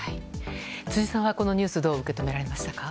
辻さんは、このニュースどう受け止められましたか？